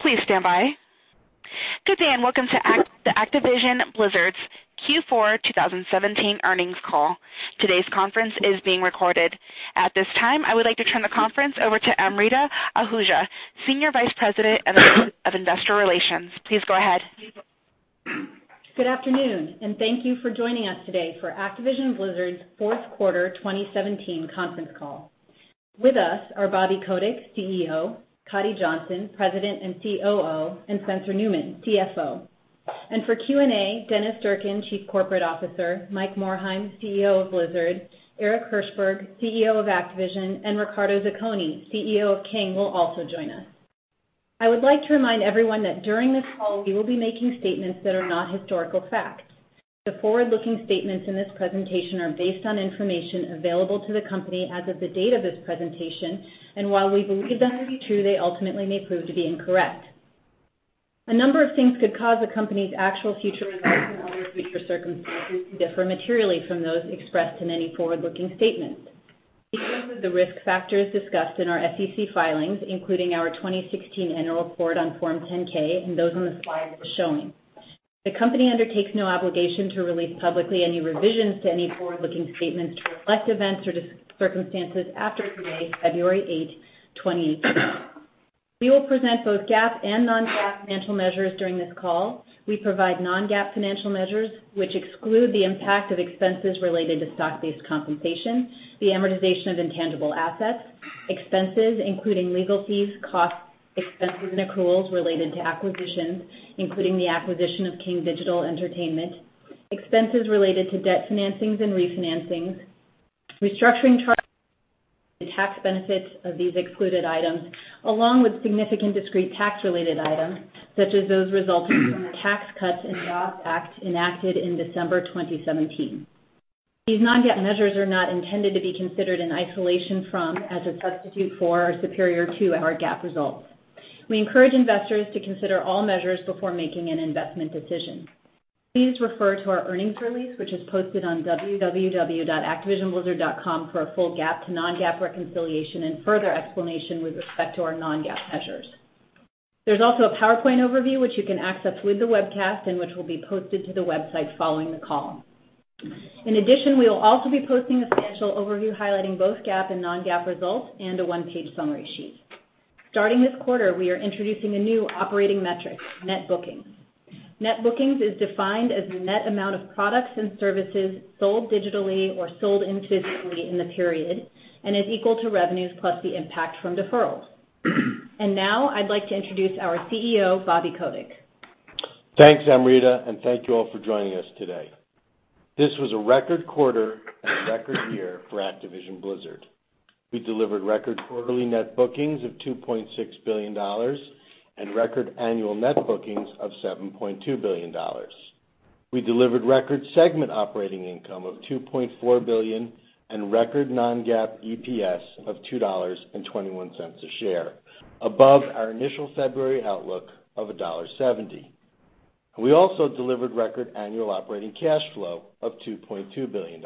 Please stand by. Good day, and welcome to Activision Blizzard's Q4 2017 earnings call. Today's conference is being recorded. At this time, I would like to turn the conference over to Amrita Ahuja, Senior Vice President of Investor Relations. Please go ahead. Good afternoon, and thank you for joining us today for Activision Blizzard's fourth quarter 2017 conference call. With us are Bobby Kotick, CEO; Coddy Johnson, President and COO; and Spencer Neumann, CFO. For Q&A, Dennis Durkin, Chief Corporate Officer, Mike Morhaime, CEO of Blizzard, Eric Hirshberg, CEO of Activision, and Riccardo Zacconi, CEO of King, will also join us. I would like to remind everyone that during this call, we will be making statements that are not historical facts. The forward-looking statements in this presentation are based on information available to the company as of the date of this presentation, and while we believe them to be true, they ultimately may prove to be incorrect. A number of things could cause the company's actual future events and other future circumstances to differ materially from those expressed in any forward-looking statements. These include the risk factors discussed in our SEC filings, including our 2016 annual report on Form 10-K and those on the slides that are showing. The company undertakes no obligation to release publicly any revisions to any forward-looking statements to reflect events or circumstances after today, February 8, 2018. We will present both GAAP and non-GAAP financial measures during this call. We provide non-GAAP financial measures, which exclude the impact of expenses related to stock-based compensation, the amortization of intangible assets, expenses including legal fees, costs, expenses, and accruals related to acquisitions, including the acquisition of King Digital Entertainment, expenses related to debt financings and refinancings, restructuring charges, and the tax benefits of these excluded items, along with significant discrete tax-related items such as those resulting from the Tax Cuts and Jobs Act enacted in December 2017. These non-GAAP measures are not intended to be considered in isolation from, as a substitute for, or superior to, our GAAP results. We encourage investors to consider all measures before making an investment decision. Please refer to our earnings release, which is posted on www.activisionblizzard.com for a full GAAP to non-GAAP reconciliation and further explanation with respect to our non-GAAP measures. There's also a PowerPoint overview, which you can access with the webcast and which will be posted to the website following the call. In addition, we will also be posting a financial overview highlighting both GAAP and non-GAAP results and a one-page summary sheet. Starting this quarter, we are introducing a new operating metric, net bookings. Net bookings is defined as the net amount of products and services sold digitally or sold physically in the period and is equal to revenues plus the impact from deferrals. Now I'd like to introduce our CEO, Bobby Kotick. Thanks, Amrita. Thank you all for joining us today. This was a record quarter and a record year for Activision Blizzard. We delivered record quarterly net bookings of $2.6 billion and record annual net bookings of $7.2 billion. We delivered record segment operating income of $2.4 billion and record non-GAAP EPS of $2.21 a share, above our initial February outlook of $1.70. We also delivered record annual operating cash flow of $2.2 billion.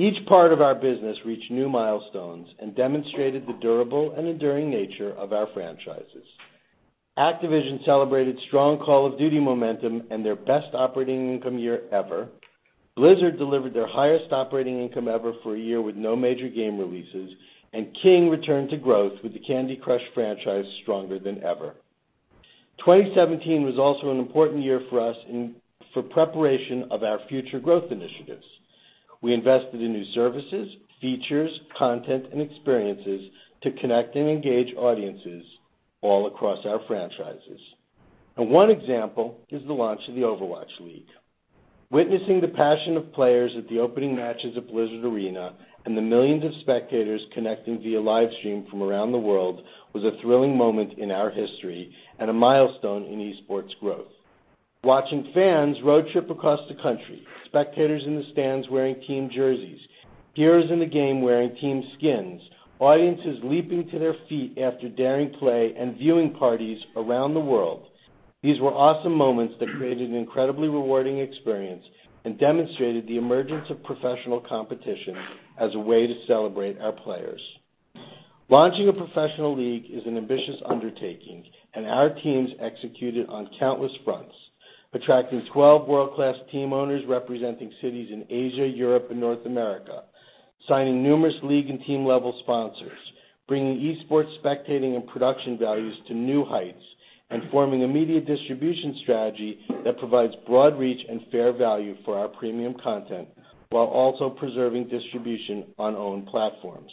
Each part of our business reached new milestones and demonstrated the durable and enduring nature of our franchises. Activision celebrated strong Call of Duty momentum and their best operating income year ever. Blizzard delivered their highest operating income ever for a year with no major game releases. King returned to growth with the Candy Crush franchise stronger than ever. 2017 was also an important year for us for preparation of our future growth initiatives. We invested in new services, features, content, and experiences to connect and engage audiences all across our franchises. One example is the launch of the Overwatch League. Witnessing the passion of players at the opening matches of Blizzard Arena and the millions of spectators connecting via livestream from around the world was a thrilling moment in our history and a milestone in esports growth. Watching fans road trip across the country, spectators in the stands wearing team jerseys, heroes in the game wearing team skins, audiences leaping to their feet after daring play, and viewing parties around the world. These were awesome moments that created an incredibly rewarding experience and demonstrated the emergence of professional competition as a way to celebrate our players. Launching a professional league is an ambitious undertaking. Our teams executed on countless fronts, attracting 12 world-class team owners representing cities in Asia, Europe, and North America, signing numerous league and team-level sponsors, bringing esports spectating and production values to new heights, and forming a media distribution strategy that provides broad reach and fair value for our premium content while also preserving distribution on owned platforms.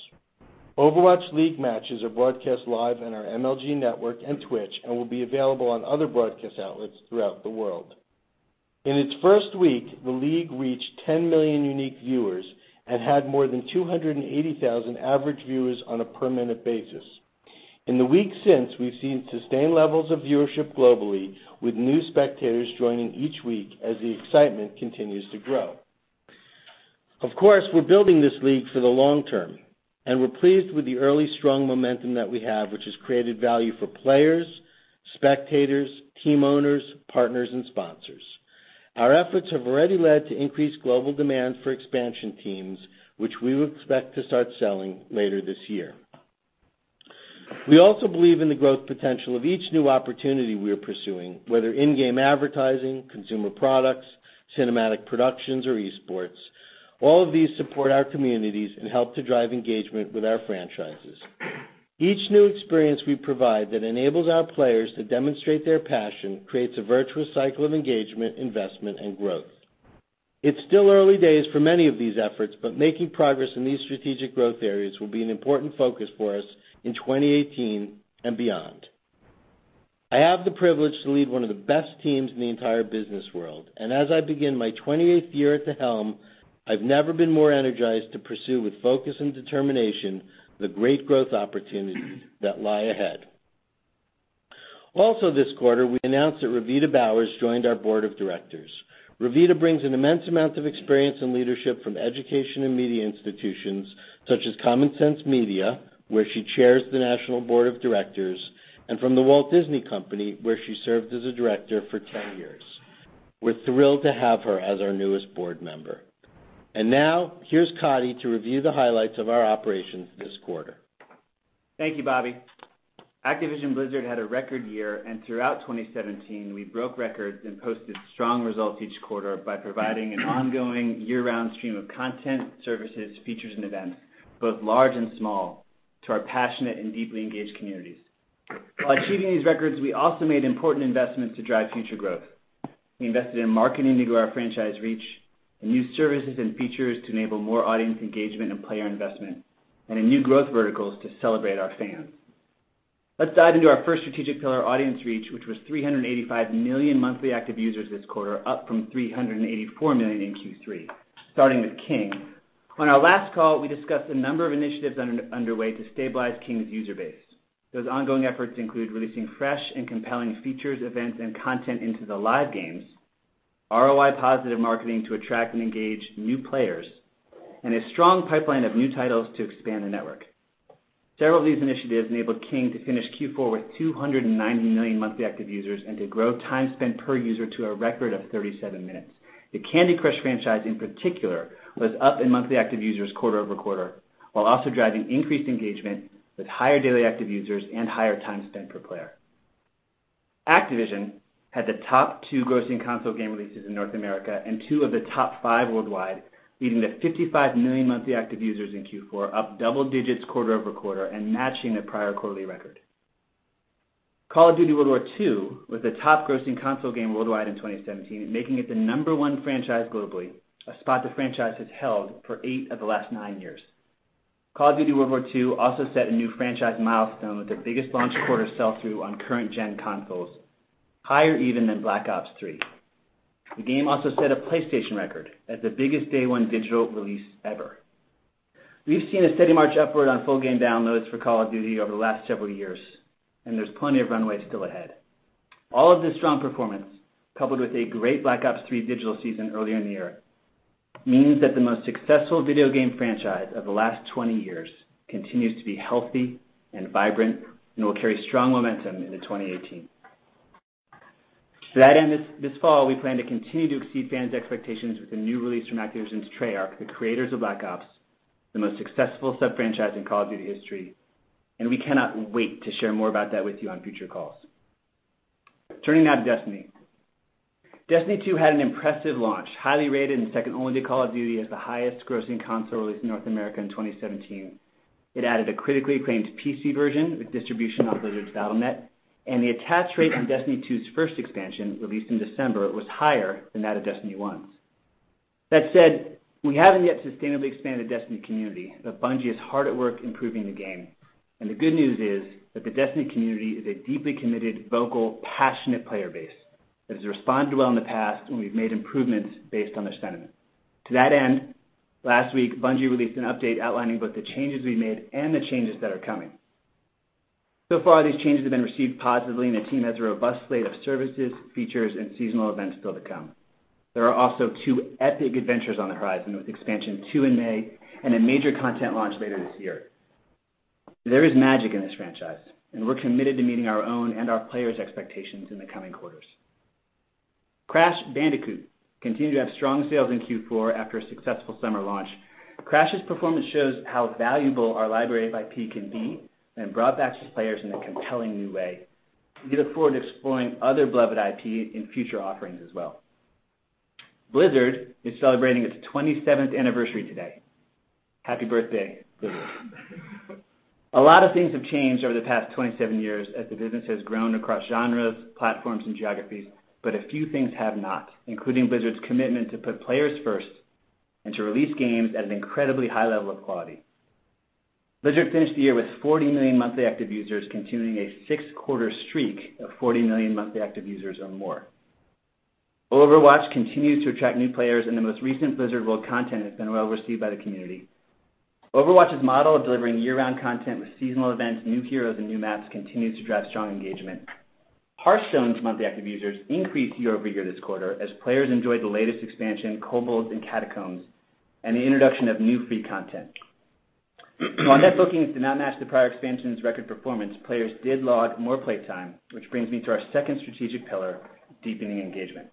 Overwatch League matches are broadcast live on our MLG network and Twitch and will be available on other broadcast outlets throughout the world. In its first week, the league reached 10 million unique viewers and had more than 280,000 average viewers on a per-minute basis. In the weeks since, we've seen sustained levels of viewership globally, with new spectators joining each week as the excitement continues to grow. Of course, we're building this league for the long term. We're pleased with the early strong momentum that we have, which has created value for players, spectators, team owners, partners, and sponsors. Our efforts have already led to increased global demand for expansion teams, which we expect to start selling later this year. We also believe in the growth potential of each new opportunity we are pursuing, whether in-game advertising, consumer products, cinematic productions, or esports. All of these support our communities and help to drive engagement with our franchises. Each new experience we provide that enables our players to demonstrate their passion creates a virtuous cycle of engagement, investment, and growth. It's still early days for many of these efforts, but making progress in these strategic growth areas will be an important focus for us in 2018 and beyond. I have the privilege to lead one of the best teams in the entire business world. As I begin my 28th year at the helm, I've never been more energized to pursue with focus and determination the great growth opportunities that lie ahead. This quarter, we announced that Reveta Bowers joined our board of directors. Reveta brings an immense amount of experience and leadership from education and media institutions such as Common Sense Media, where she chairs the National Board of Directors, and from the Walt Disney Company, where she served as a director for 10 years. We're thrilled to have her as our newest board member. Now here's Coddy to review the highlights of our operations this quarter. Thank you, Bobby. Activision Blizzard had a record year. Throughout 2017, we broke records and posted strong results each quarter by providing an ongoing year-round stream of content, services, features, and events, both large and small, to our passionate and deeply engaged communities. While achieving these records, we also made important investments to drive future growth. We invested in marketing to grow our franchise reach and new services and features to enable more audience engagement and player investment and in new growth verticals to celebrate our fans. Let's dive into our first strategic pillar, audience reach, which was 385 million monthly active users this quarter, up from 384 million in Q3. Starting with King. On our last call, we discussed a number of initiatives underway to stabilize King's user base. Those ongoing efforts include releasing fresh and compelling features, events, and content into the live games, ROI-positive marketing to attract and engage new players, and a strong pipeline of new titles to expand the network. Several of these initiatives enabled King to finish Q4 with 290 million monthly active users and to grow time spent per user to a record of 37 minutes. The Candy Crush franchise, in particular, was up in monthly active users quarter-over-quarter, while also driving increased engagement with higher daily active users and higher time spent per player. Activision had the top two grossing console game releases in North America and two of the top five worldwide, leading to 55 million monthly active users in Q4, up double digits quarter-over-quarter and matching the prior quarterly record. Call of Duty: WWII was the top grossing console game worldwide in 2017, making it the number one franchise globally, a spot the franchise has held for eight of the last nine years. Call of Duty: WWII also set a new franchise milestone with the biggest launch quarter sell-through on current-gen consoles, higher even than Black Ops III. The game also set a PlayStation record as the biggest day-one digital release ever. We've seen a steady march upward on full game downloads for Call of Duty over the last several years, and there's plenty of runway still ahead. All of this strong performance, coupled with a great Black Ops III digital season earlier in the year, means that the most successful video game franchise of the last 20 years continues to be healthy and vibrant and will carry strong momentum into 2018. To that end, this fall, we plan to continue to exceed fans' expectations with a new release from Activision's Treyarch, the creators of Black Ops, the most successful sub-franchise in Call of Duty history. We cannot wait to share more about that with you on future calls. Turning now to Destiny. Destiny 2 had an impressive launch, highly rated and second only to Call of Duty as the highest-grossing console release in North America in 2017. It added a critically acclaimed PC version with distribution on Blizzard's Battle.net, and the attach rate on Destiny 2's first expansion, released in December, was higher than that of Destiny 1's. That said, we haven't yet sustainably expanded Destiny community. Bungie is hard at work improving the game. The good news is that the Destiny community is a deeply committed, vocal, passionate player base that has responded well in the past, and we've made improvements based on their sentiment. To that end, last week, Bungie released an update outlining both the changes we made and the changes that are coming. So far, these changes have been received positively. The team has a robust slate of services, features, and seasonal events still to come. There are also two epic adventures on the horizon, with Expansion 2 in May and a major content launch later this year. There is magic in this franchise, and we're committed to meeting our own and our players' expectations in the coming quarters. Crash Bandicoot continued to have strong sales in Q4 after a successful summer launch. Crash's performance shows how valuable our library of IP can be and brought back the players in a compelling new way. We look forward to exploring other beloved IP in future offerings as well. Blizzard is celebrating its 27th anniversary today. Happy birthday, Blizzard. A lot of things have changed over the past 27 years as the business has grown across genres, platforms, and geographies. A few things have not, including Blizzard's commitment to put players first and to release games at an incredibly high level of quality. Blizzard finished the year with 40 million monthly active users, continuing a six-quarter streak of 40 million monthly active users or more. Overwatch continues to attract new players. The most recent Blizzard World content has been well-received by the community. Overwatch's model of delivering year-round content with seasonal events, new heroes, and new maps continues to drive strong engagement. Hearthstone's monthly active users increased year-over-year this quarter as players enjoyed the latest expansion, Kobolds & Catacombs, and the introduction of new free content. While net bookings did not match the prior expansion's record performance, players did log more playtime, which brings me to our second strategic pillar, deepening engagement.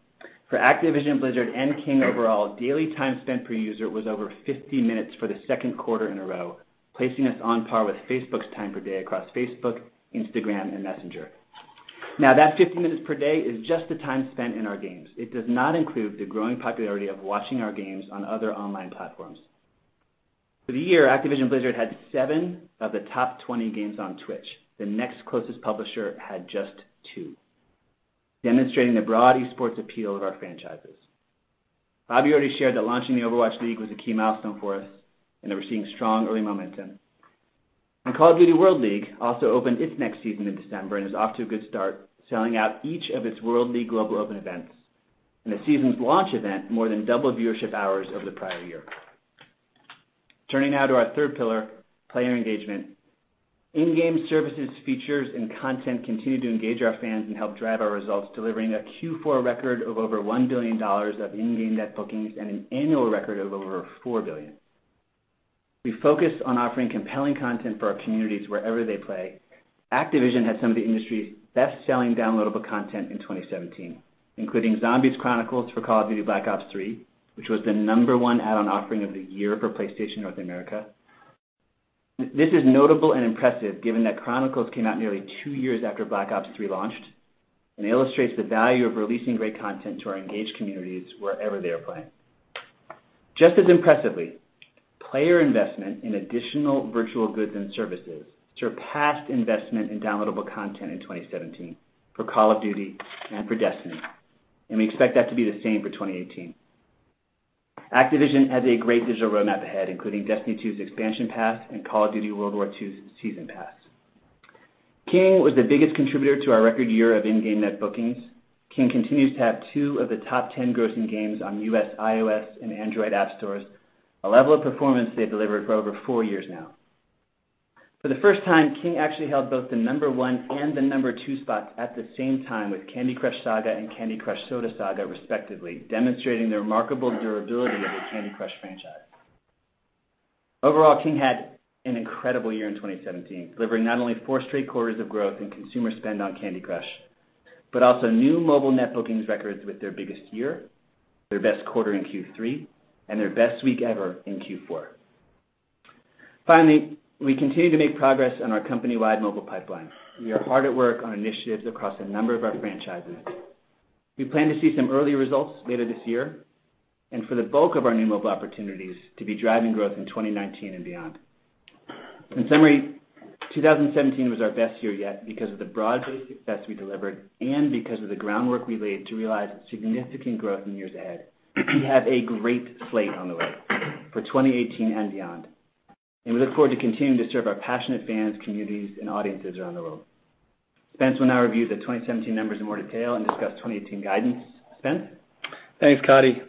For Activision Blizzard and King overall, daily time spent per user was over 50 minutes for the second quarter in a row, placing us on par with Facebook's time per day across Facebook, Instagram, and Messenger. That 50 minutes per day is just the time spent in our games. It does not include the growing popularity of watching our games on other online platforms. For the year, Activision Blizzard had seven of the top 20 games on Twitch. The next closest publisher had just two, demonstrating the broad esports appeal of our franchises. Bobby already shared that launching the Overwatch League was a key milestone for us, that we're seeing strong early momentum. Call of Duty World League also opened its next season in December and is off to a good start, selling out each of its World League global open events. The season's launch event more than doubled viewership hours over the prior year. Turning now to our third pillar, player engagement. In-game services, features, and content continue to engage our fans and help drive our results, delivering a Q4 record of over $1 billion of in-game net bookings and an annual record of over $4 billion. We focused on offering compelling content for our communities wherever they play. Activision had some of the industry's best-selling downloadable content in 2017, including Zombies Chronicles for Call of Duty: Black Ops III, which was the number one add-on offering of the year for PlayStation North America. This is notable and impressive given that Chronicles came out nearly two years after Black Ops III launched, and illustrates the value of releasing great content to our engaged communities wherever they are playing. Just as impressively, player investment in additional virtual goods and services surpassed investment in downloadable content in 2017 for Call of Duty and for Destiny, and we expect that to be the same for 2018. Activision has a great digital roadmap ahead, including Destiny 2's expansion pass and Call of Duty: WWII's season pass. King was the biggest contributor to our record year of in-game net bookings. King continues to have two of the top 10 grossing games on U.S. iOS and Android app stores, a level of performance they've delivered for over four years now. For the first time, King actually held both the number one and the number two spots at the same time with Candy Crush Saga and Candy Crush Soda Saga respectively, demonstrating the remarkable durability of the Candy Crush franchise. Overall, King had an incredible year in 2017, delivering not only four straight quarters of growth in consumer spend on Candy Crush, but also new mobile net bookings records with their biggest year, their best quarter in Q3, and their best week ever in Q4. We continue to make progress on our company-wide mobile pipeline. We are hard at work on initiatives across a number of our franchises. We plan to see some early results later this year, and for the bulk of our new mobile opportunities to be driving growth in 2019 and beyond. In summary, 2017 was our best year yet because of the broad-based success we delivered and because of the groundwork we laid to realize significant growth in years ahead. We have a great slate on the way for 2018 and beyond. We look forward to continuing to serve our passionate fans, communities, and audiences around the world. Spence will now review the 2017 numbers in more detail and discuss 2018 guidance. Spence? Thanks, Coddy.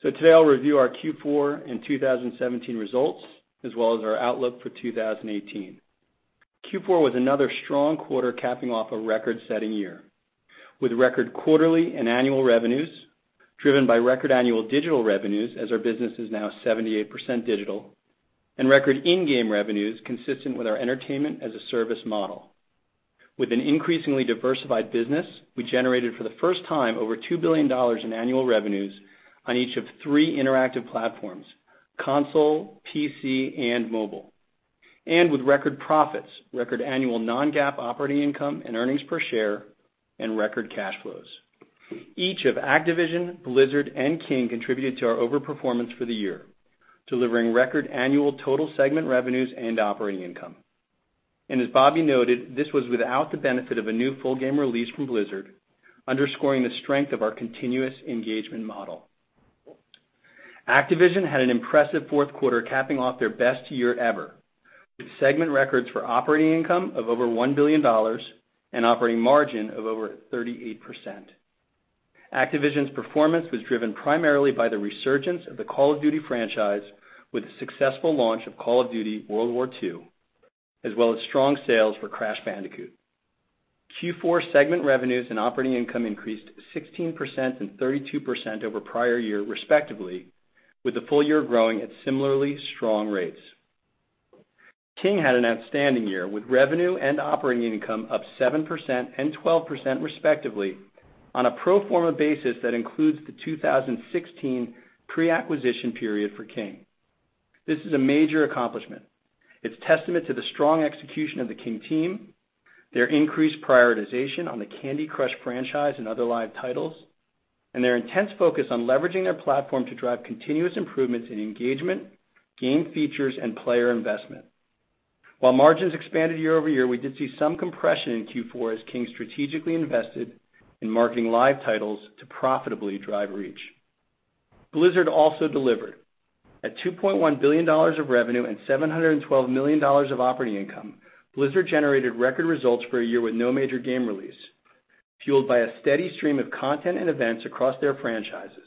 Today, I'll review our Q4 and 2017 results, as well as our outlook for 2018. Q4 was another strong quarter capping off a record-setting year, with record quarterly and annual revenues driven by record annual digital revenues, as our business is now 78% digital, and record in-game revenues consistent with our entertainment-as-a-service model. With an increasingly diversified business, we generated, for the first time, over $2 billion in annual revenues on each of three interactive platforms, console, PC, and mobile. With record profits, record annual non-GAAP operating income and earnings per share, and record cash flows. Each of Activision, Blizzard, and King contributed to our overperformance for the year, delivering record annual total segment revenues and operating income. As Bobby noted, this was without the benefit of a new full game release from Blizzard, underscoring the strength of our continuous engagement model. Activision had an impressive fourth quarter, capping off their best year ever with segment records for operating income of over $1 billion and operating margin of over 38%. Activision's performance was driven primarily by the resurgence of the Call of Duty franchise with the successful launch of Call of Duty World War II, as well as strong sales for Crash Bandicoot. Q4 segment revenues and operating income increased 16% and 32% over prior year respectively, with the full year growing at similarly strong rates. King had an outstanding year with revenue and operating income up 7% and 12% respectively on a pro forma basis that includes the 2016 pre-acquisition period for King. This is a major accomplishment. It's testament to the strong execution of the King team, their increased prioritization on the Candy Crush franchise and other live titles, and their intense focus on leveraging their platform to drive continuous improvements in engagement, game features, and player investment. While margins expanded year-over-year, we did see some compression in Q4 as King strategically invested in marketing live titles to profitably drive reach. Blizzard also delivered. At $2.1 billion of revenue and $712 million of operating income, Blizzard generated record results for a year with no major game release, fueled by a steady stream of content and events across their franchises,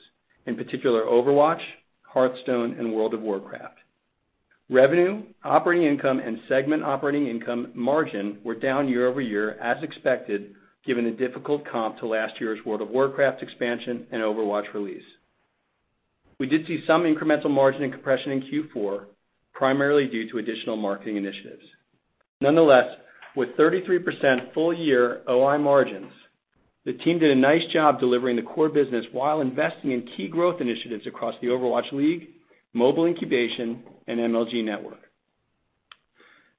in particular Overwatch, Hearthstone, and World of Warcraft. Revenue, operating income, and segment operating income margin were down year-over-year as expected, given the difficult comp to last year's World of Warcraft expansion and Overwatch release. We did see some incremental margin and compression in Q4, primarily due to additional marketing initiatives. Nonetheless, with 33% full year OI margins, the team did a nice job delivering the core business while investing in key growth initiatives across the Overwatch League, mobile incubation, and MLG network.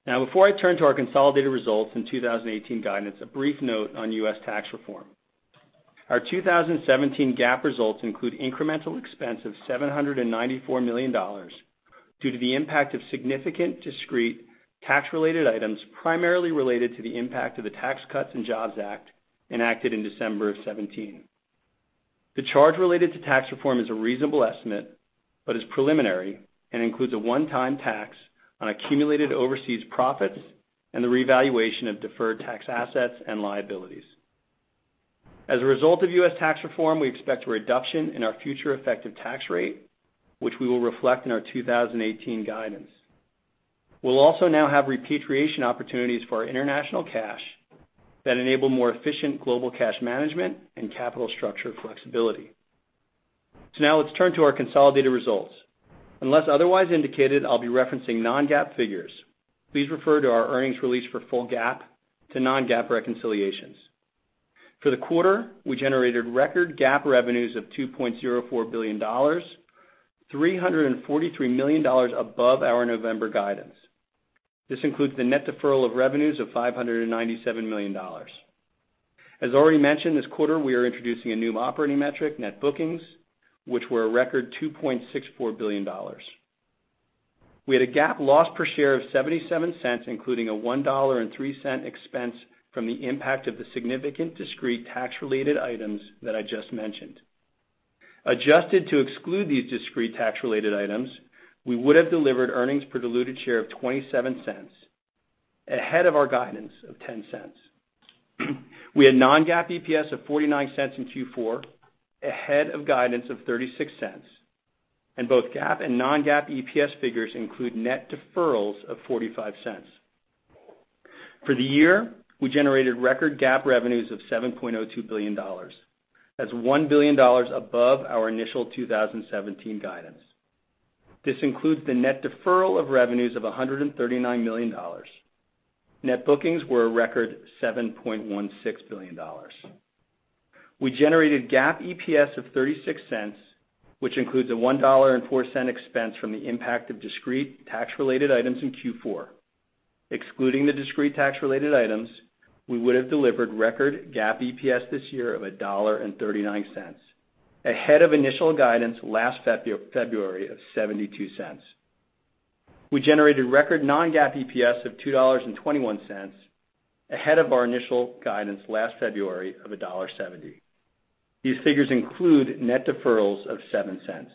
Before I turn to our consolidated results and 2018 guidance, a brief note on U.S. tax reform. Our 2017 GAAP results include incremental expense of $794 million due to the impact of significant discrete tax-related items, primarily related to the impact of the Tax Cuts and Jobs Act enacted in December of 2017. The charge related to tax reform is a reasonable estimate, but is preliminary and includes a one-time tax on accumulated overseas profits and the revaluation of deferred tax assets and liabilities. As a result of U.S. tax reform, we expect a reduction in our future effective tax rate, which we will reflect in our 2018 guidance. We'll also now have repatriation opportunities for our international cash that enable more efficient global cash management and capital structure flexibility. Let's turn to our consolidated results. Unless otherwise indicated, I'll be referencing non-GAAP figures. Please refer to our earnings release for full GAAP to non-GAAP reconciliations. For the quarter, we generated record GAAP revenues of $2.04 billion, $343 million above our November guidance. This includes the net deferral of revenues of $597 million. As already mentioned, this quarter, we are introducing a new operating metric, net bookings, which were a record $2.64 billion. We had a GAAP loss per share of $0.77, including a $1.03 expense from the impact of the significant discrete tax-related items that I just mentioned. Adjusted to exclude these discrete tax-related items, we would have delivered earnings per diluted share of $0.27, ahead of our guidance of $0.10. We had non-GAAP EPS of $0.49 in Q4, ahead of guidance of $0.36, and both GAAP and non-GAAP EPS figures include net deferrals of $0.45. For the year, we generated record GAAP revenues of $7.02 billion. That's $1 billion above our initial 2017 guidance. This includes the net deferral of revenues of $139 million. Net bookings were a record $7.16 billion. We generated GAAP EPS of $0.36, which includes a $1.04 expense from the impact of discrete tax-related items in Q4. Excluding the discrete tax-related items, we would have delivered record GAAP EPS this year of $1.39, ahead of initial guidance last February of $0.72. We generated record non-GAAP EPS of $2.21, ahead of our initial guidance last February of $1.70. These figures include net deferrals of $0.07.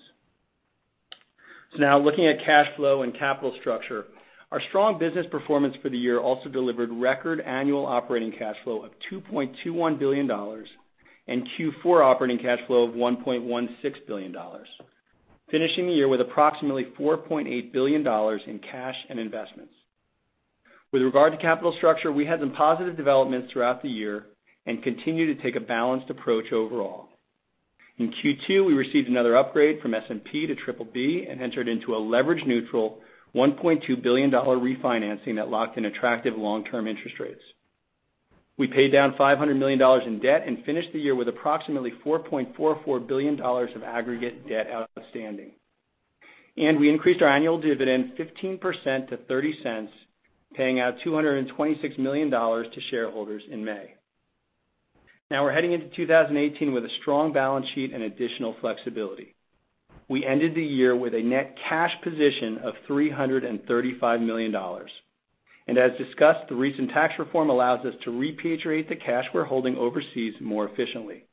Looking at cash flow and capital structure. Our strong business performance for the year also delivered record annual operating cash flow of $2.21 billion and Q4 operating cash flow of $1.16 billion, finishing the year with approximately $4.8 billion in cash and investments. With regard to capital structure, we had some positive developments throughout the year and continue to take a balanced approach overall. In Q2, we received another upgrade from S&P to triple B and entered into a leverage-neutral $1.2 billion refinancing that locked in attractive long-term interest rates. We paid down $500 million in debt and finished the year with approximately $4.44 billion of aggregate debt outstanding. We increased our annual dividend 15% to $0.30, paying out $226 million to shareholders in May. Now we are heading into 2018 with a strong balance sheet and additional flexibility. We ended the year with a net cash position of $335 million. As discussed, the recent tax reform allows us to repatriate the cash we are holding overseas more efficiently.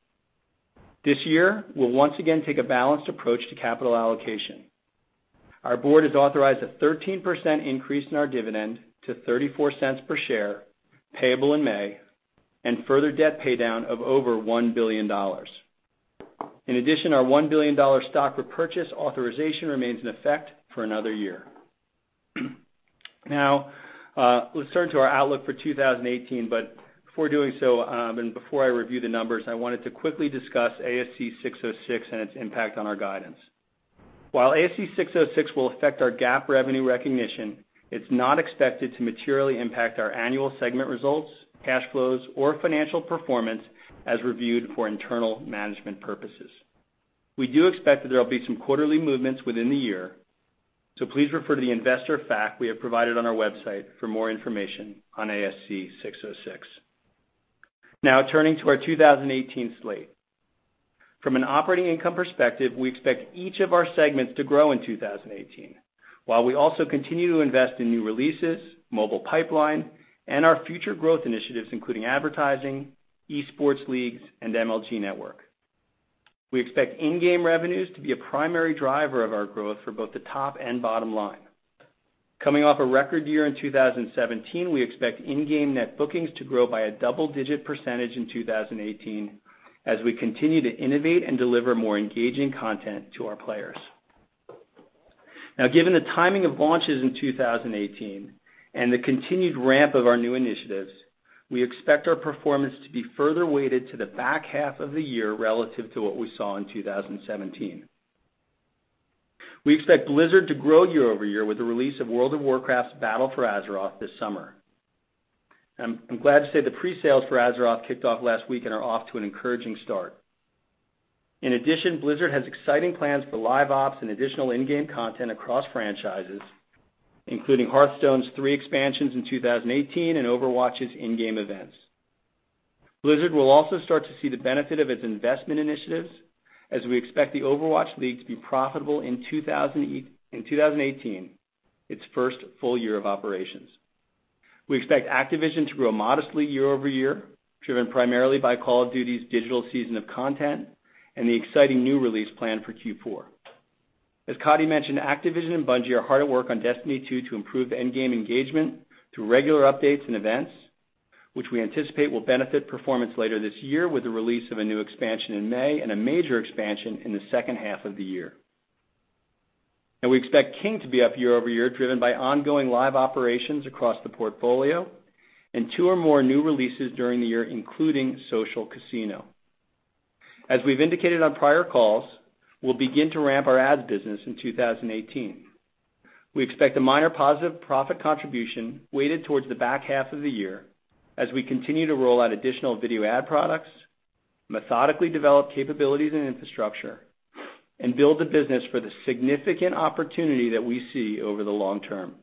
This year, we will once again take a balanced approach to capital allocation. Our board has authorized a 13% increase in our dividend to $0.34 per share, payable in May, and further debt paydown of over $1 billion. In addition, our $1 billion stock repurchase authorization remains in effect for another year. Now, let us turn to our outlook for 2018. But before doing so, and before I review the numbers, I wanted to quickly discuss ASC 606 and its impact on our guidance. While ASC 606 will affect our GAAP revenue recognition, it is not expected to materially impact our annual segment results, cash flows, or financial performance as reviewed for internal management purposes. We do expect that there will be some quarterly movements within the year, so please refer to the investor FAQ we have provided on our website for more information on ASC 606. Now turning to our 2018 slate. From an operating income perspective, we expect each of our segments to grow in 2018, while we also continue to invest in new releases, mobile pipeline, and our future growth initiatives, including advertising, esports leagues, and MLG network. We expect in-game revenues to be a primary driver of our growth for both the top and bottom line. Coming off a record year in 2017, we expect in-game net bookings to grow by a double-digit percentage in 2018 as we continue to innovate and deliver more engaging content to our players. Now, given the timing of launches in 2018 and the continued ramp of our new initiatives, we expect our performance to be further weighted to the back half of the year relative to what we saw in 2017. We expect Blizzard to grow year-over-year with the release of World of Warcraft's Battle for Azeroth this summer. I am glad to say the pre-sales for Azeroth kicked off last week and are off to an encouraging start. In addition, Blizzard has exciting plans for live ops and additional in-game content across franchises, including Hearthstone's three expansions in 2018 and Overwatch's in-game events. Blizzard will also start to see the benefit of its investment initiatives as we expect the Overwatch League to be profitable in 2018, its first full year of operations. We expect Activision to grow modestly year-over-year, driven primarily by Call of Duty's digital season of content and the exciting new release plan for Q4. As Coddy mentioned, Activision and Bungie are hard at work on Destiny 2 to improve the in-game engagement through regular updates and events, which we anticipate will benefit performance later this year with the release of a new expansion in May and a major expansion in the second half of the year. Now we expect King to be up year-over-year, driven by ongoing live operations across the portfolio and two or more new releases during the year, including Social Casino. As we have indicated on prior calls, we will begin to ramp our ads business in 2018. We expect a minor positive profit contribution weighted towards the back half of the year as we continue to roll out additional video ad products, methodically develop capabilities and infrastructure, and build the business for the significant opportunity that we see over the long term.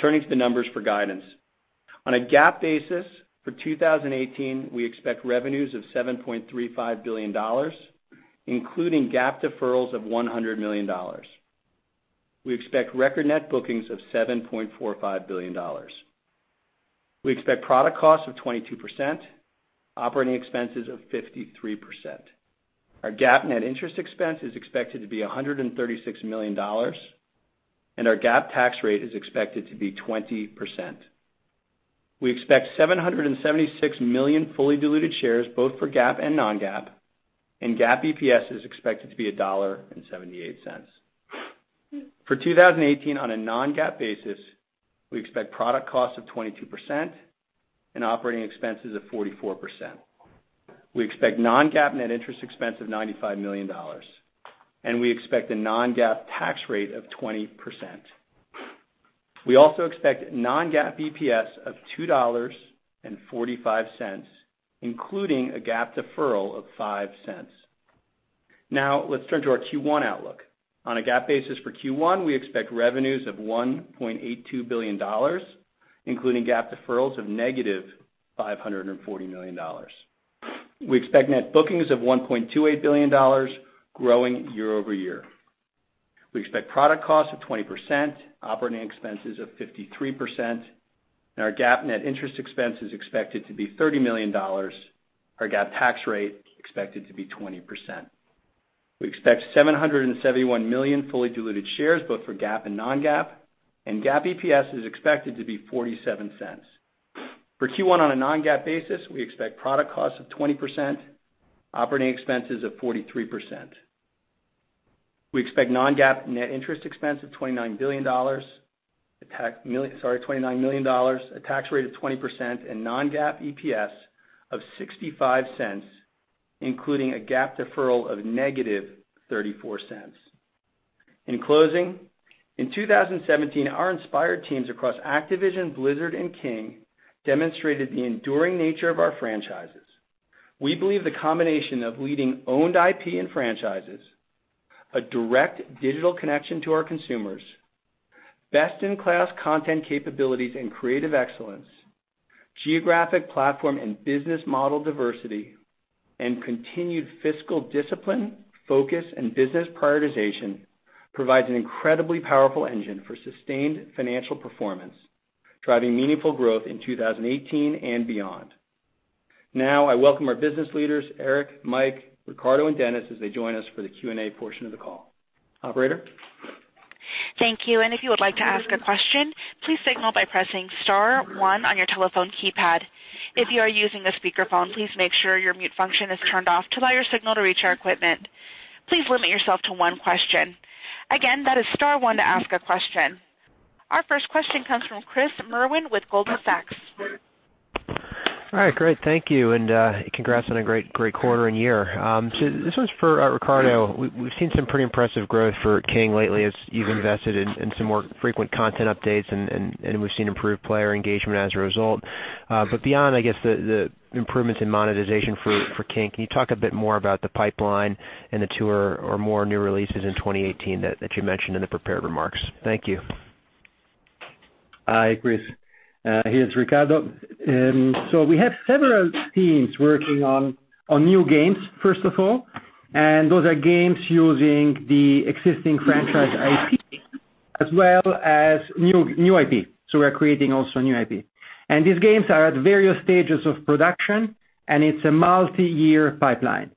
Turning to the numbers for guidance. On a GAAP basis for 2018, we expect revenues of $7.35 billion, including GAAP deferrals of $100 million. We expect record net bookings of $7.45 billion. We expect product costs of 22%, operating expenses of 53%. Our GAAP net interest expense is expected to be $136 million, and our GAAP tax rate is expected to be 20%. We expect 776 million fully diluted shares both for GAAP and non-GAAP, and GAAP EPS is expected to be $1.78. For 2018, on a non-GAAP basis, we expect product costs of 22% and operating expenses of 44%. We expect non-GAAP net interest expense of $95 million, and we expect a non-GAAP tax rate of 20%. We also expect non-GAAP EPS of $2.45, including a GAAP deferral of $0.05. Let's turn to our Q1 outlook. On a GAAP basis for Q1, we expect revenues of $1.82 billion, including GAAP deferrals of negative $540 million. We expect net bookings of $1.28 billion growing year-over-year. We expect product costs of 20%, operating expenses of 53%, and our GAAP net interest expense is expected to be $30 million. Our GAAP tax rate expected to be 20%. We expect 771 million fully diluted shares, both for GAAP and non-GAAP, and GAAP EPS is expected to be $0.47. For Q1 on a non-GAAP basis, we expect product costs of 20%, operating expenses of 43%. We expect non-GAAP net interest expense of $29 billion. Sorry, $29 million, a tax rate of 20%, and non-GAAP EPS of $0.65, including a GAAP deferral of negative $0.34. In closing, in 2017, our inspired teams across Activision, Blizzard, and King demonstrated the enduring nature of our franchises. We believe the combination of leading owned IP and franchises, a direct digital connection to our consumers, best-in-class content capabilities and creative excellence, geographic platform and business model diversity, and continued fiscal discipline, focus, and business prioritization provides an incredibly powerful engine for sustained financial performance, driving meaningful growth in 2018 and beyond. I welcome our business leaders, Eric, Mike, Riccardo, and Dennis as they join us for the Q&A portion of the call. Operator? Thank you. If you would like to ask a question, please signal by pressing star one on your telephone keypad. If you are using a speakerphone, please make sure your mute function is turned off to allow your signal to reach our equipment. Please limit yourself to one question. Again, that is star one to ask a question. Our first question comes from Chris Merwin with Goldman Sachs. All right, great. Thank you, and congrats on a great quarter and year. This one's for Riccardo. We've seen some pretty impressive growth for King lately as you've invested in some more frequent content updates, and we've seen improved player engagement as a result. Beyond, I guess, the improvements in monetization for King, can you talk a bit more about the pipeline and the two or more new releases in 2018 that you mentioned in the prepared remarks? Thank you. Hi, Chris. Here's Riccardo. We have several teams working on new games, first of all, and those are games using the existing franchise IP, as well as new IP. We're creating also new IP. These games are at various stages of production, and it's a multi-year pipeline.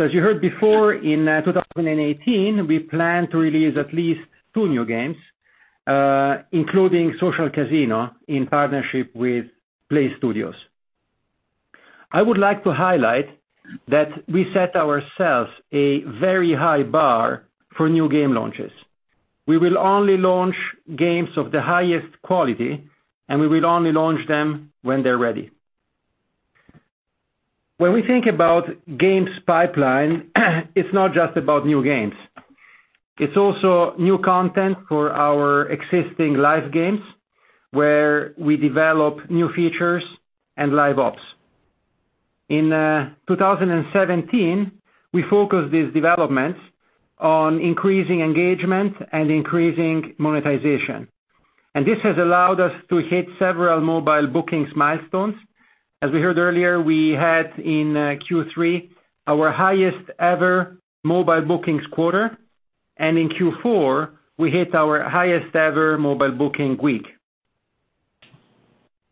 As you heard before, in 2018, we plan to release at least two new games, including Social Casino in partnership with PLAYSTUDIOS. I would like to highlight that we set ourselves a very high bar for new game launches. We will only launch games of the highest quality, and we will only launch them when they're ready. When we think about games pipeline, it's not just about new games. It's also new content for our existing live games, where we develop new features and live ops. In 2017, we focused these developments on increasing engagement and increasing monetization. This has allowed us to hit several mobile bookings milestones. As we heard earlier, we had in Q3 our highest ever mobile bookings quarter, and in Q4, we hit our highest ever mobile booking week.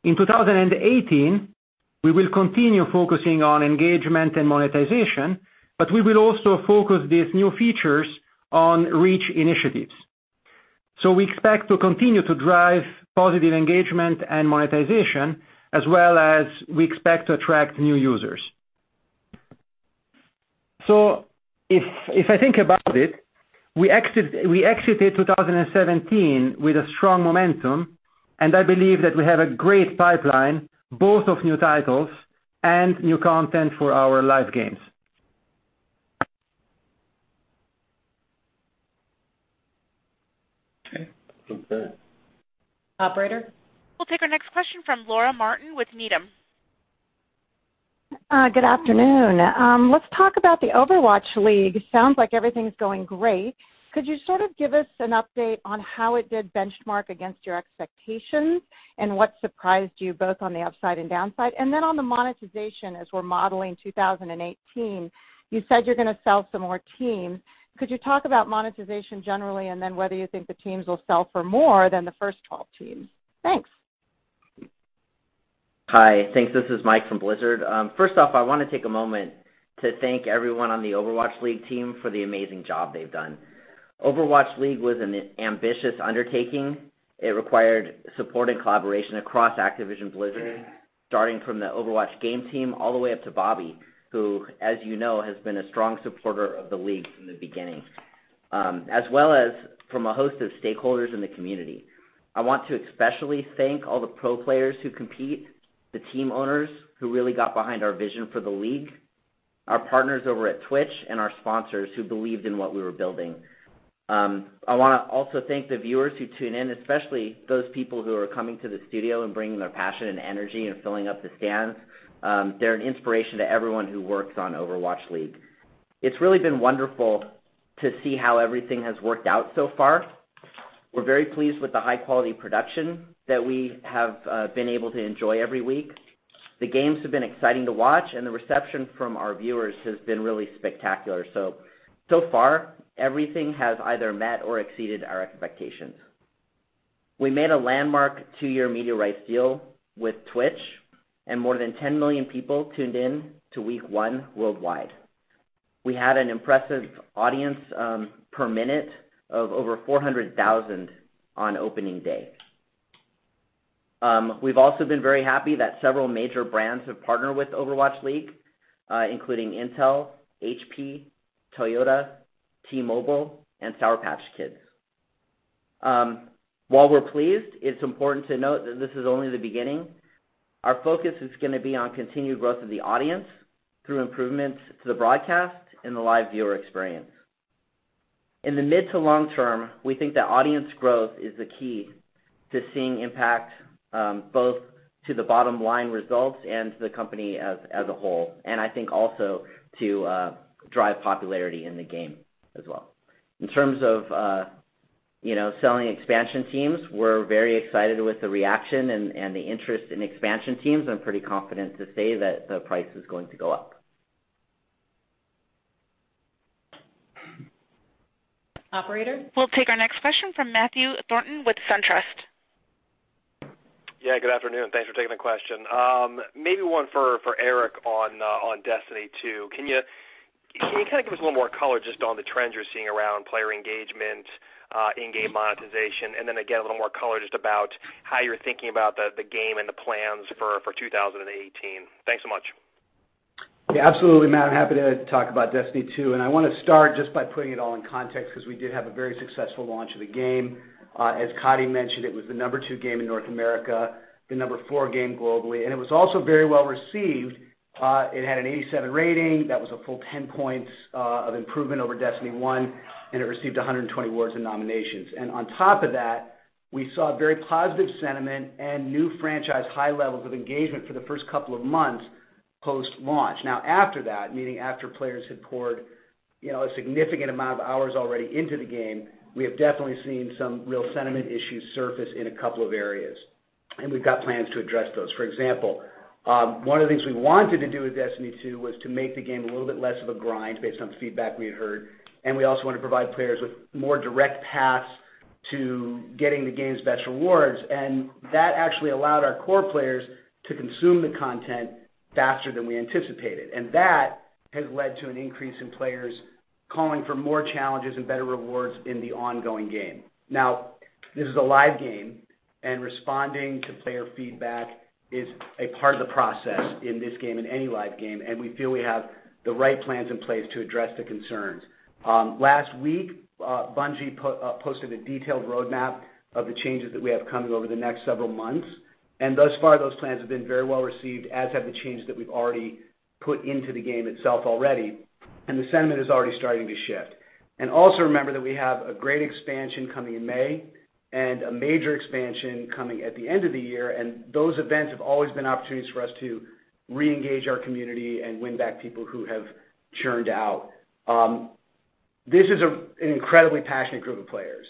In 2018, we will continue focusing on engagement and monetization, we will also focus these new features on reach initiatives. We expect to continue to drive positive engagement and monetization, as well as we expect to attract new users. If I think about it, we exited 2017 with a strong momentum, and I believe that we have a great pipeline, both of new titles and new content for our live games. Okay. Operator? We'll take our next question from Laura Martin with Needham. Good afternoon. Let's talk about the Overwatch League. Sounds like everything's going great. Could you sort of give us an update on how it did benchmark against your expectations, and what surprised you both on the upside and downside? On the monetization, as we're modeling 2018, you said you're gonna sell some more teams. Could you talk about monetization generally, and then whether you think the teams will sell for more than the first 12 teams? Thanks. Hi. Thanks. This is Mike from Blizzard. First off, I want to take a moment to thank everyone on the Overwatch League team for the amazing job they've done. Overwatch League was an ambitious undertaking. It required support and collaboration across Activision Blizzard, starting from the Overwatch game team all the way up to Bobby, who, as you know, has been a strong supporter of the league from the beginning, as well as from a host of stakeholders in the community. I want to especially thank all the pro players who compete, the team owners who really got behind our vision for the league, our partners over at Twitch, and our sponsors who believed in what we were building. I want to also thank the viewers who tune in, especially those people who are coming to the studio and bringing their passion and energy and filling up the stands. They're an inspiration to everyone who works on Overwatch League. It's really been wonderful to see how everything has worked out so far. We're very pleased with the high-quality production that we have been able to enjoy every week. The games have been exciting to watch, and the reception from our viewers has been really spectacular. So far, everything has either met or exceeded our expectations. We made a landmark two-year media rights deal with Twitch, and more than 10 million people tuned in to week one worldwide. We had an impressive audience per minute of over 400,000 on opening day. We've also been very happy that several major brands have partnered with Overwatch League, including Intel, HP, Toyota, T-Mobile, and SOUR PATCH KIDS. While we're pleased, it's important to note that this is only the beginning. Our focus is going to be on continued growth of the audience through improvements to the broadcast and the live viewer experience. In the mid to long term, we think that audience growth is the key to seeing impact both to the bottom line results and to the company as a whole, and I think also to drive popularity in the game as well. In terms of selling expansion teams, we're very excited with the reaction and the interest in expansion teams. I'm pretty confident to say that the price is going to go up. Operator? We'll take our next question from Matthew Thornton with SunTrust. Yeah, good afternoon. Thanks for taking the question. Maybe one for Eric on Destiny 2. Can you kind of give us a little more color just on the trends you're seeing around player engagement, in-game monetization, then again, a little more color just about how you're thinking about the game and the plans for 2018? Thanks so much. Yeah, absolutely, Matt. I'm happy to talk about Destiny 2. I want to start just by putting it all in context because we did have a very successful launch of the game. As Coddy mentioned, it was the number 2 game in North America, the number 4 game globally, and it was also very well-received. It had an 87 rating. That was a full 10 points of improvement over Destiny 1, and it received 120 awards and nominations. On top of that, we saw very positive sentiment and new franchise high levels of engagement for the first couple of months post-launch. After that, meaning after players had poured a significant amount of hours already into the game, we have definitely seen some real sentiment issues surface in a couple of areas, and we've got plans to address those. For example, one of the things we wanted to do with Destiny 2 was to make the game a little bit less of a grind based on feedback we had heard, and we also wanted to provide players with more direct paths to getting the game's best rewards. That actually allowed our core players to consume the content faster than we anticipated. That has led to an increase in players calling for more challenges and better rewards in the ongoing game. This is a live game- Responding to player feedback is a part of the process in this game, in any live game, and we feel we have the right plans in place to address the concerns. Last week, Bungie posted a detailed roadmap of the changes that we have coming over the next several months, thus far, those plans have been very well-received, as have the changes that we've already put into the game itself already, the sentiment is already starting to shift. Also remember that we have a great expansion coming in May and a major expansion coming at the end of the year, those events have always been opportunities for us to reengage our community and win back people who have churned out. This is an incredibly passionate group of players,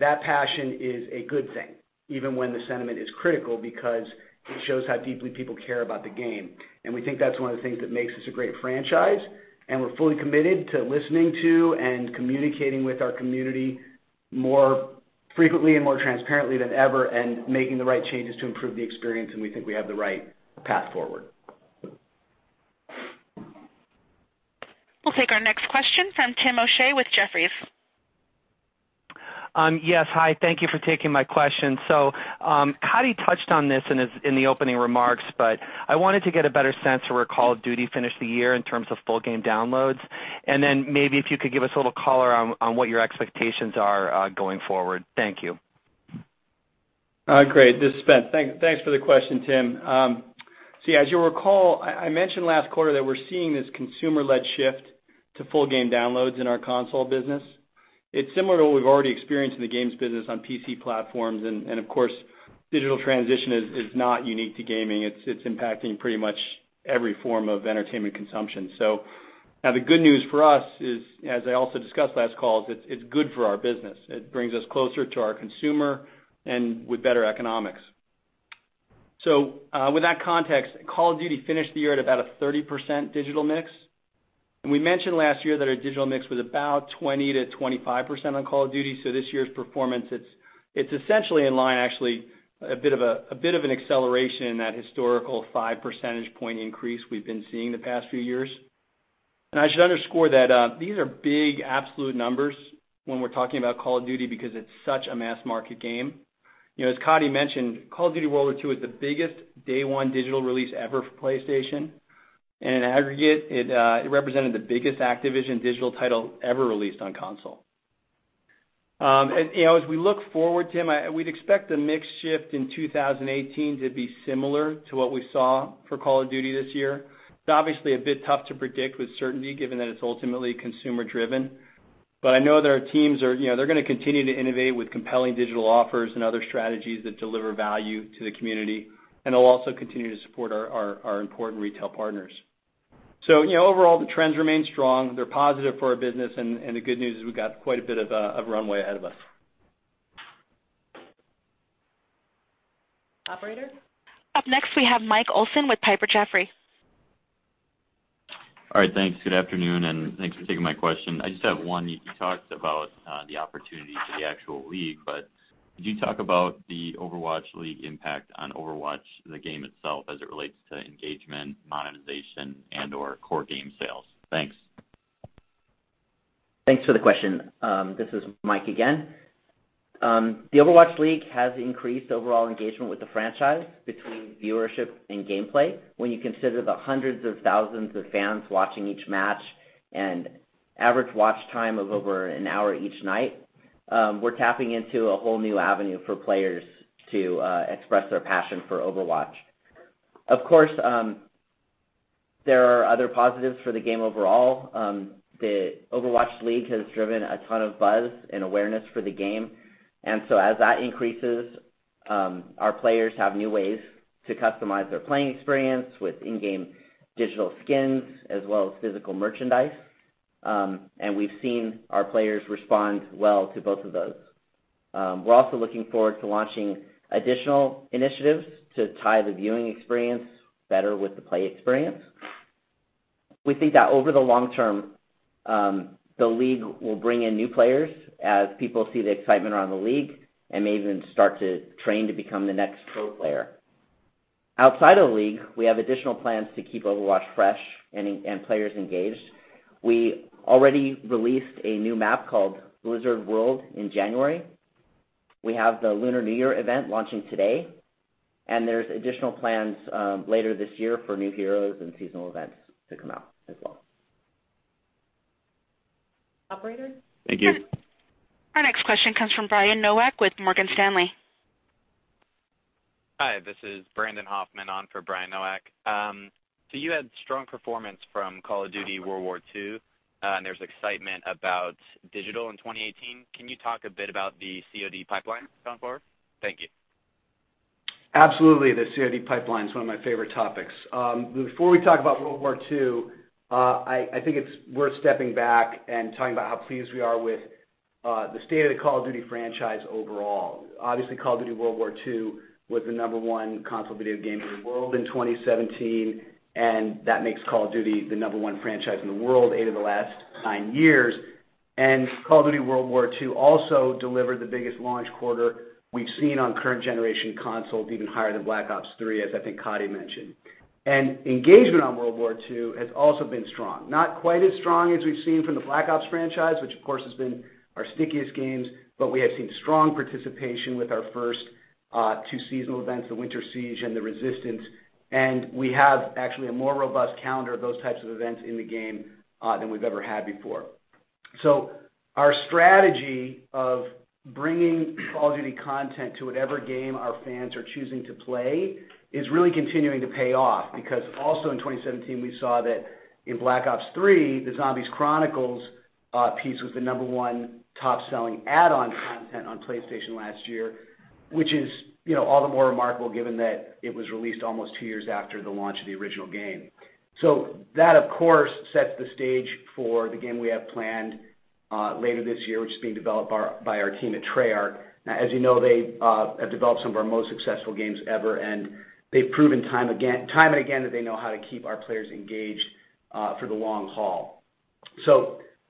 that passion is a good thing, even when the sentiment is critical, because it shows how deeply people care about the game. We think that's one of the things that makes this a great franchise, we're fully committed to listening to and communicating with our community more frequently and more transparently than ever and making the right changes to improve the experience, we think we have the right path forward. We'll take our next question from Tim O'Shea with Jefferies. Yes. Hi. Thank you for taking my question. Coddy touched on this in the opening remarks, I wanted to get a better sense of where Call of Duty finished the year in terms of full game downloads, maybe if you could give us a little color on what your expectations are going forward. Thank you. Great. This is Spence. Thanks for the question, Tim. As you'll recall, I mentioned last quarter that we're seeing this consumer-led shift to full game downloads in our console business. It's similar to what we've already experienced in the games business on PC platforms, and of course, digital transition is not unique to gaming. It's impacting pretty much every form of entertainment consumption. Now the good news for us is, as I also discussed last call, it's good for our business. It brings us closer to our consumer and with better economics. With that context, Call of Duty finished the year at about a 30% digital mix. We mentioned last year that our digital mix was about 20%-25% on Call of Duty. This year's performance, it's essentially in line, actually a bit of an acceleration in that historical five percentage point increase we've been seeing the past few years. I should underscore that these are big absolute numbers when we're talking about Call of Duty because it's such a mass market game. As Coddy mentioned, Call of Duty: WWII was the biggest day one digital release ever for PlayStation. In aggregate, it represented the biggest Activision digital title ever released on console. As we look forward, Tim, we'd expect the mix shift in 2018 to be similar to what we saw for Call of Duty this year. It's obviously a bit tough to predict with certainty given that it's ultimately consumer-driven. I know that our teams are going to continue to innovate with compelling digital offers and other strategies that deliver value to the community. They'll also continue to support our important retail partners. Overall, the trends remain strong. They're positive for our business. The good news is we've got quite a bit of runway ahead of us. Operator? Up next, we have Mike Olson with Piper Jaffray. All right. Thanks. Good afternoon, and thanks for taking my question. I just have one. You talked about the opportunity for the actual league, but could you talk about the Overwatch League impact on Overwatch the game itself, as it relates to engagement, monetization, and/or core game sales? Thanks. Thanks for the question. This is Mike again. The Overwatch League has increased overall engagement with the franchise between viewership and gameplay. When you consider the hundreds of thousands of fans watching each match and average watch time of over an hour each night, we're tapping into a whole new avenue for players to express their passion for Overwatch. Of course, there are other positives for the game overall. The Overwatch League has driven a ton of buzz and awareness for the game, and so as that increases, our players have new ways to customize their playing experience with in-game digital skins as well as physical merchandise. We've seen our players respond well to both of those. We're also looking forward to launching additional initiatives to tie the viewing experience better with the play experience. We think that over the long term, the league will bring in new players as people see the excitement around the league and may even start to train to become the next pro player. Outside of the league, we have additional plans to keep Overwatch fresh and players engaged. We already released a new map called Blizzard World in January. We have the Lunar New Year event launching today, and there's additional plans later this year for new heroes and seasonal events to come out as well. Operator? Thank you. Our next question comes from Brian Nowak with Morgan Stanley. Hi, this is Brandon Hoffman on for Brian Nowak. You had strong performance from Call of Duty: WWII, and there's excitement about digital in 2018. Can you talk a bit about the COD pipeline going forward? Thank you. Absolutely. The COD pipeline is one of my favorite topics. Before we talk about WWII, I think it's worth stepping back and talking about how pleased we are with the state of the Call of Duty franchise overall. Obviously, Call of Duty: WWII was the number one console video game in the world in 2017, and that makes Call of Duty the number one franchise in the world eight of the last nine years. Call of Duty: WWII also delivered the biggest launch quarter we've seen on current generation consoles, even higher than Black Ops III, as I think Coddy mentioned. Engagement on WWII has also been strong. Not quite as strong as we've seen from the Black Ops franchise, which of course, has been our stickiest games. We have seen strong participation with our first two seasonal events, the Winter Siege and The Resistance, and we have actually a more robust calendar of those types of events in the game, than we've ever had before. Our strategy of bringing Call of Duty content to whatever game our fans are choosing to play is really continuing to pay off. In 2017, we saw that in Black Ops III, the Zombies Chronicles piece was the number 1 top-selling add-on content on PlayStation last year, which is all the more remarkable given that it was released almost 2 years after the launch of the original game. That, of course, sets the stage for the game we have planned later this year, which is being developed by our team at Treyarch. As you know, they have developed some of our most successful games ever, they've proven time and again, that they know how to keep our players engaged for the long haul.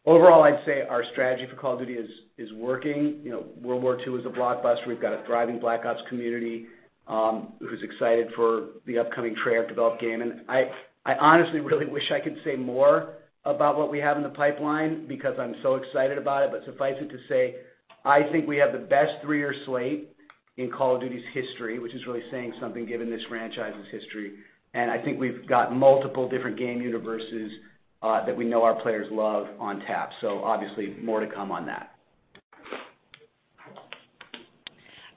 Overall, I'd say our strategy for Call of Duty is working. World War II is a blockbuster. We've got a thriving Black Ops community who's excited for the upcoming Treyarch-developed game. I honestly really wish I could say more about what we have in the pipeline because I'm so excited about it. Suffice it to say, I think we have the best 3-year slate in Call of Duty's history, which is really saying something given this franchise's history. I think we've got multiple different game universes that we know our players love on tap. Obviously, more to come on that.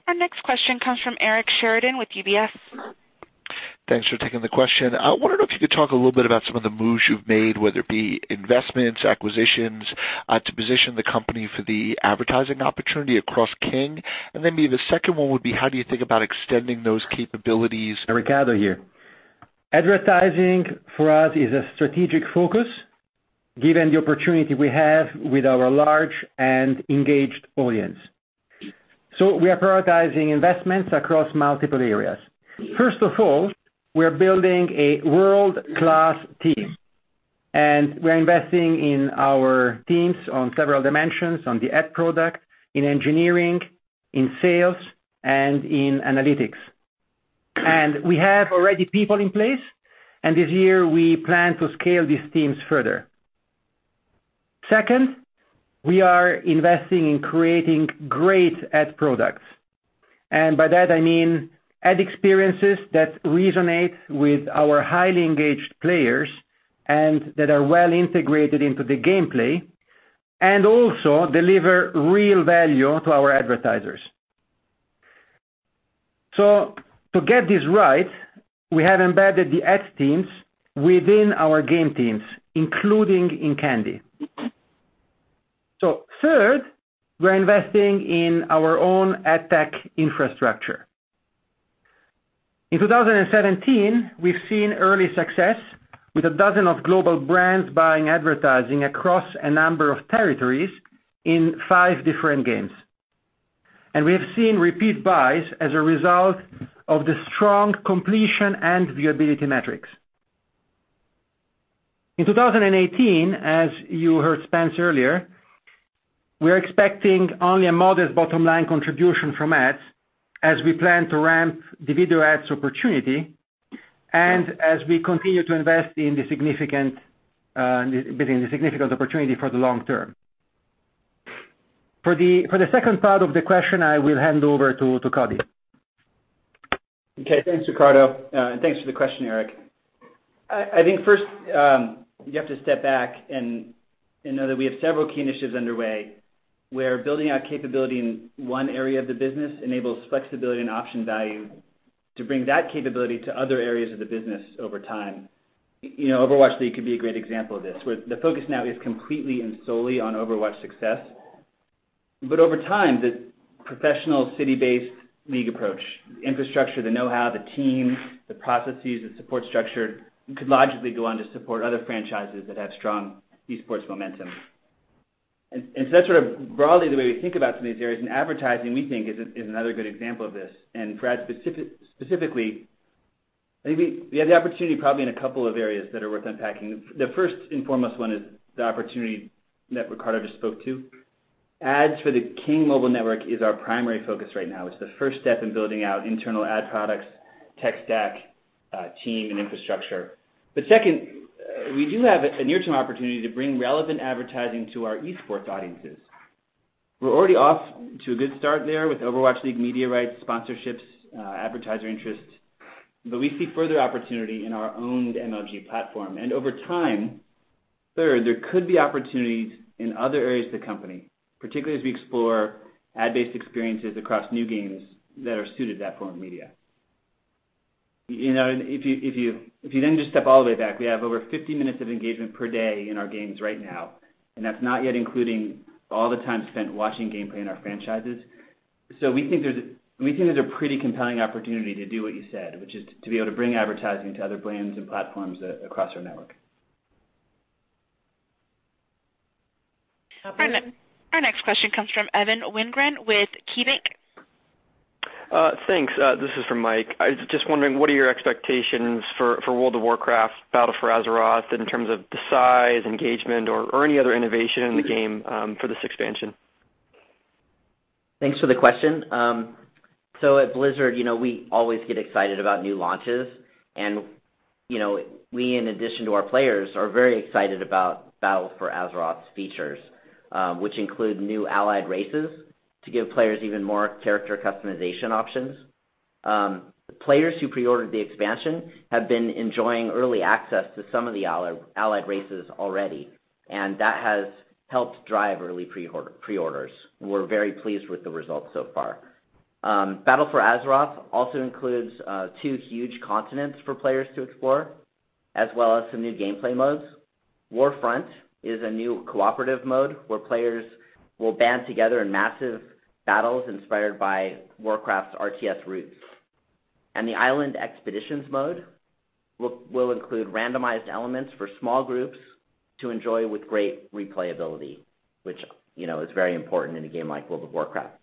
Our next question comes from Eric Sheridan with UBS. Thanks for taking the question. I wanted to know if you could talk a little bit about some of the moves you've made, whether it be investments, acquisitions, to position the company for the advertising opportunity across King. Then maybe the second one would be, how do you think about extending those capabilities? Riccardo here. Advertising for us is a strategic focus given the opportunity we have with our large and engaged audience. We are prioritizing investments across multiple areas. We are building a world-class team, and we are investing in our teams on several dimensions, on the ad product, in engineering, in sales, and in analytics. We have already people in place, this year, we plan to scale these teams further. We are investing in creating great ad products. By that I mean ad experiences that resonate with our highly engaged players and that are well integrated into the gameplay and also deliver real value to our advertisers. To get this right, we have embedded the ads teams within our game teams, including in Candy. Third, we are investing in our own ad tech infrastructure. In 2017, we have seen early success with a dozen of global brands buying advertising across a number of territories in five different games. We have seen repeat buys as a result of the strong completion and viewability metrics. In 2018, as you heard Spence earlier, we are expecting only a modest bottom-line contribution from ads as we plan to ramp the video ads opportunity and as we continue to invest in the significant opportunity for the long term. For the second part of the question, I will hand over to Coddy. Okay. Thanks, Riccardo. Thanks for the question, Eric. You have to step back and know that we have several key initiatives underway where building out capability in one area of the business enables flexibility and option value to bring that capability to other areas of the business over time. Overwatch League could be a great example of this, where the focus now is completely and solely on Overwatch success. Over time, the professional city-based league approach, the infrastructure, the know-how, the teams, the processes, the support structure, could logically go on to support other franchises that have strong esports momentum. That is sort of broadly the way we think about some of these areas, and advertising, we think, is another good example of this. For ads specifically, maybe we have the opportunity probably in a couple of areas that are worth unpacking. The first and foremost one is the opportunity that Riccardo just spoke to. Ads for the King mobile network is our primary focus right now. It is the first step in building out internal ad products, tech stack, team, and infrastructure. Second, we do have a near-term opportunity to bring relevant advertising to our esports audiences. We are already off to a good start there with Overwatch League media rights, sponsorships, advertiser interest, but we see further opportunity in our owned MLG platform. Over time, third, there could be opportunities in other areas of the company, particularly as we explore ad-based experiences across new games that are suited to that form of media. Step all the way back, we have over 50 minutes of engagement per day in our games right now, and that is not yet including all the time spent watching gameplay in our franchises. We think there's a pretty compelling opportunity to do what you said, which is to be able to bring advertising to other brands and platforms across our network. Our next question comes from Evan Wingren with KeyBanc. Thanks. This is for Mike. I was just wondering, what are your expectations for World of Warcraft: Battle for Azeroth in terms of the size, engagement, or any other innovation in the game for this expansion? Thanks for the question. At Blizzard, we always get excited about new launches. We, in addition to our players, are very excited about Battle for Azeroth's features, which include new allied races to give players even more character customization options. Players who pre-ordered the expansion have been enjoying early access to some of the allied races already, and that has helped drive early pre-orders. We're very pleased with the results so far. Battle for Azeroth also includes two huge continents for players to explore, as well as some new gameplay modes. Warfronts is a new cooperative mode where players will band together in massive battles inspired by Warcraft's RTS roots. The Island Expeditions mode will include randomized elements for small groups to enjoy with great replayability, which is very important in a game like World of Warcraft.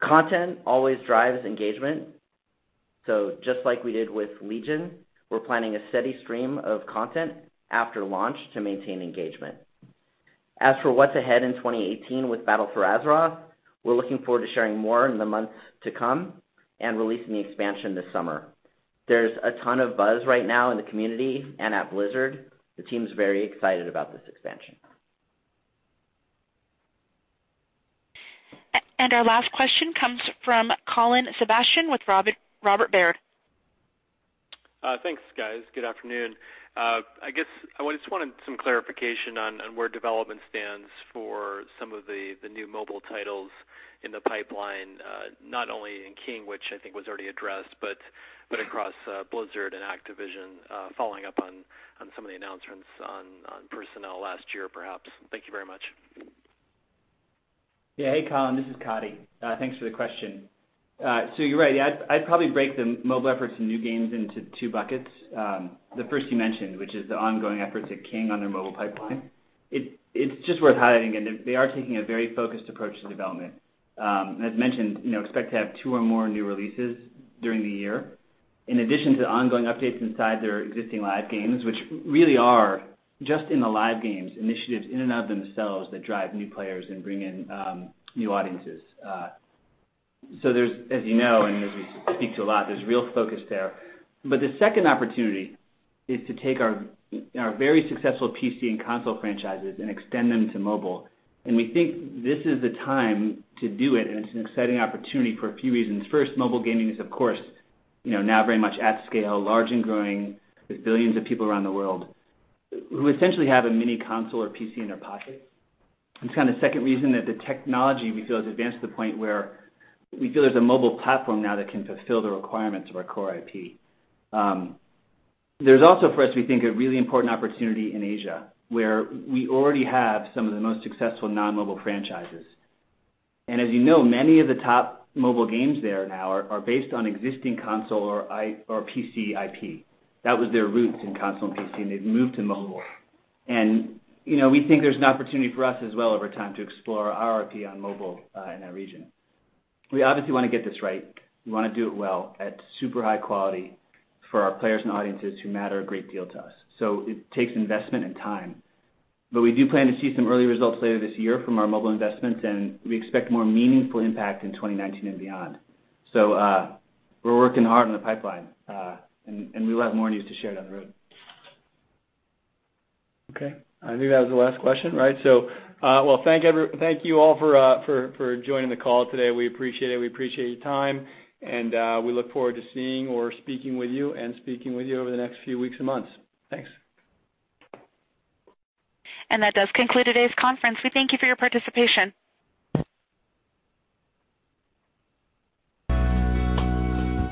Content always drives engagement. Just like we did with Legion, we're planning a steady stream of content after launch to maintain engagement. As for what's ahead in 2018 with Battle for Azeroth, we're looking forward to sharing more in the months to come and releasing the expansion this summer. There's a ton of buzz right now in the community, and at Blizzard, the team's very excited about this expansion. Our last question comes from Colin Sebastian with Robert W. Baird. Thanks, guys. Good afternoon. I guess I just wanted some clarification on where development stands for some of the new mobile titles in the pipeline, not only in King, which I think was already addressed, but across Blizzard and Activision, following up on some of the announcements on personnel last year perhaps. Thank you very much. Yeah. Hey, Colin. This is Coddy. Thanks for the question. You're right. I'd probably break the mobile efforts and new games into two buckets. The first you mentioned, which is the ongoing efforts at King on their mobile pipeline. It's just worth highlighting again, they are taking a very focused approach to development. As mentioned, expect to have two or more new releases during the year. In addition to ongoing updates inside their existing live games, which really are just in the live games initiatives in and of themselves that drive new players and bring in new audiences. There's, as you know, and as we speak to a lot, there's real focus there. The second opportunity is to take our very successful PC and console franchises and extend them to mobile. We think this is the time to do it, and it's an exciting opportunity for a few reasons. First, mobile gaming is, of course, now very much at scale, large and growing with billions of people around the world who essentially have a mini console or PC in their pocket. Kind of second reason that the technology we feel has advanced to the point where we feel there's a mobile platform now that can fulfill the requirements of our core IP. There's also, for us, we think, a really important opportunity in Asia, where we already have some of the most successful non-mobile franchises. As you know, many of the top mobile games there now are based on existing console or PC IP. That was their roots in console and PC, and they've moved to mobile. We think there's an opportunity for us as well over time to explore our IP on mobile in that region. We obviously want to get this right. We want to do it well at super high quality for our players and audiences who matter a great deal to us. It takes investment and time. We do plan to see some early results later this year from our mobile investments, and we expect more meaningful impact in 2019 and beyond. We're working hard on the pipeline. We will have more news to share down the road. Okay, I think that was the last question, right? Well, thank you all for joining the call today. We appreciate it. We appreciate your time, and we look forward to seeing or speaking with you and speaking with you over the next few weeks and months. Thanks. That does conclude today's conference. We thank you for your participation.